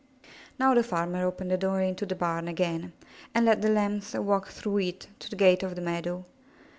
Now the farmer opened the door into the barn again, and let the Lambs walk through it to the gate of the meadow.